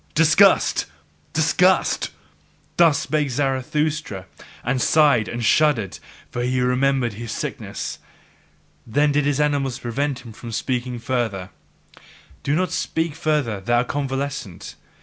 Disgust! Disgust! Thus spake Zarathustra, and sighed and shuddered; for he remembered his sickness. Then did his animals prevent him from speaking further. "Do not speak further, thou convalescent!"